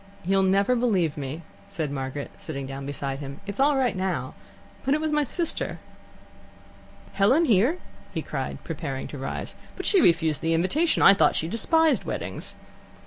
"You'll never believe me," said Margaret, sitting down beside him. "It's all right now, but it was my sister." "Helen here?" he cried, preparing to rise. "But she refused the invitation. I thought she despised weddings."